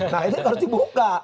nah ini harus dibuka